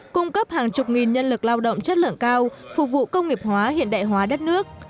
cung cấp hàng chục nghìn nhân lực lao động chất lượng cao phục vụ công nghiệp hóa hiện đại hóa đất nước